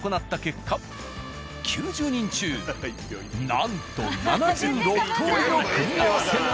９０人中なんと７６通りの組み合わせが。